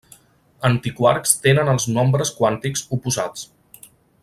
Antiquarks tenen els nombres quàntics oposats.